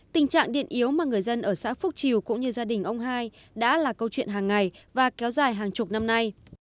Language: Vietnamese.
tình trạng điện yếu mà người dân ở xã phúc triều cũng như gia đình ông hai đã là câu chuyện hàng ngày và kéo dài hàng chục năm nay